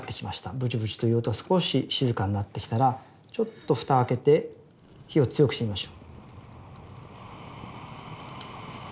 ブチブチという音が少し静かになってきたらちょっと蓋開けて火を強くしてみましょう。